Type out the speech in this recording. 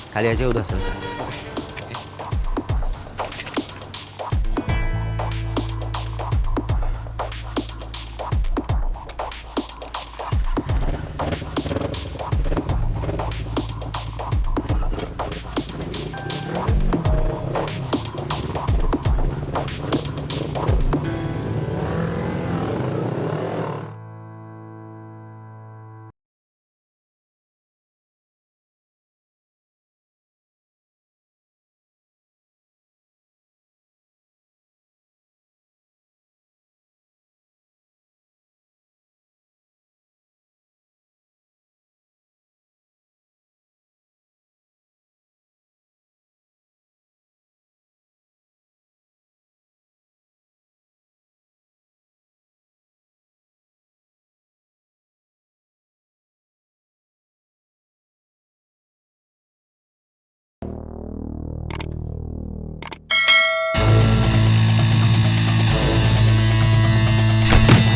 kali aja udah selesai